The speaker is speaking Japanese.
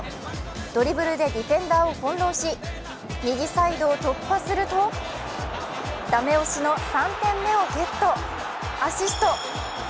ドリブルでディフェンダーを翻弄し右サイドを突破すると駄目押しの３点目をアシスト。